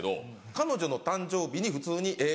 彼女の誕生日に普通にええ